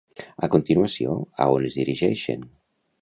A continuació, a on es dirigeixen?